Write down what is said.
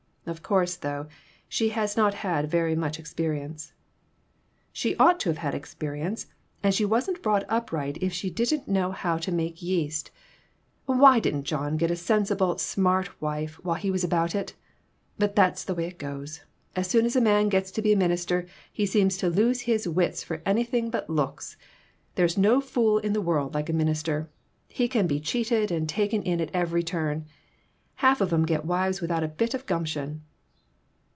Of course, though, she has not had very much experience." "She ought to have had experience, and she wasn't brought up right if she don't know how PERTURBATIONS. 63 to make yeast. Why didn't John get a sensible, smart wife while he was about it ? But that's the way it goes. As soon as a man gets to be a minister he seems to lose his wits, for any thing but looks. There's no fool in the world like a minister. He can be cheated and taken in at every turn. Half of 'em get wives without a bit of gumption."